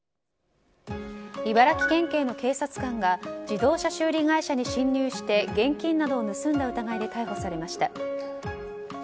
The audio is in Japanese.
茨城県警の警察官が自動車修理会社に侵入して現金などを盗んだ疑いで逮捕されました。